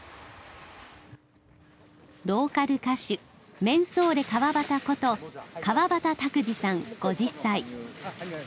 ローカル歌手メンソーレ川端こと川端拓二さん５０歳。